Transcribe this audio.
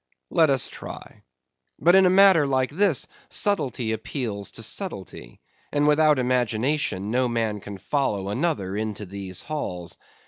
Let us try. But in a matter like this, subtlety appeals to subtlety, and without imagination no man can follow another into these halls.